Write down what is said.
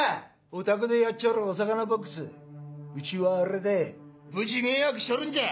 おたくでやっちょるお魚ボックスうちはあれでブチ迷惑しちょるんじゃ！